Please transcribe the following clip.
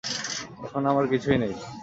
এখন আমার কিছুই নেই।